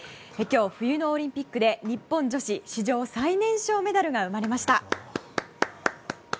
今日、冬のオリンピックで日本女子史上最年少メダルが生まれました。